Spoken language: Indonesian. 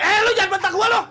eh lu jangan bentar gue lu